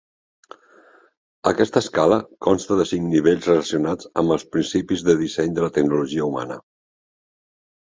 Aquesta escala consta de cinc nivells relacionats amb els principis de disseny de la tecnologia humana.